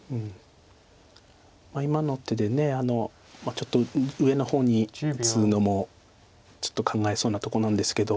今の手で上の方に打つのもちょっと考えそうなとこなんですけど。